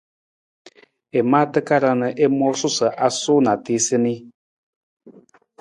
I maa takarang na i moosu sa a suu na a tiisa nii.